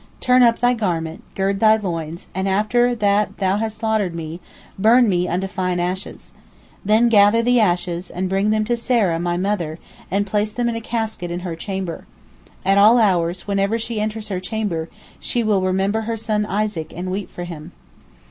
Turn up thy garment, gird thy loins, and after that thou hast slaughtered me, burn me unto fine ashes. Then gather the ashes, and bring them to Sarah, my mother, and place them in a casket in her chamber. At all hours, whenever she enters her chamber, she will remember her son Isaac and weep for him."